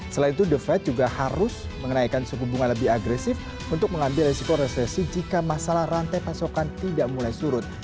selain itu the fed juga harus menaikkan suku bunga lebih agresif untuk mengambil resiko resesi jika masalah rantai pasokan tidak mulai surut